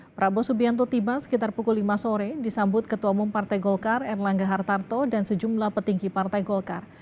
prabowo subianto tiba sekitar pukul lima sore disambut ketua umum partai golkar erlangga hartarto dan sejumlah petinggi partai golkar